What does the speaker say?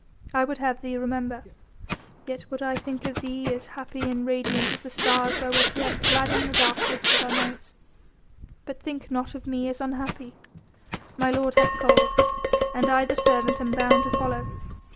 I would have thee remember, yet would I think of thee as happy and radiant as the stars wherewith He hath gladdened the darkness of our nights. But think not of me as unhappy. My Lord has called, and I the servant am bound to follow.